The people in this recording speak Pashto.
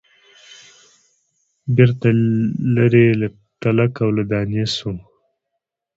بیرته لیري له تلک او له دانې سو